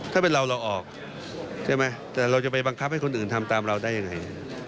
ถ้าเป็นเราเราออกใช่ไหมแต่เราจะไปบังคับให้คนอื่นทำตามเราได้ยังไง